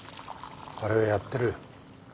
あれはやってる。